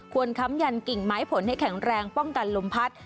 ค้ำยันกิ่งไม้ผลให้แข็งแรงป้องกันลมพัด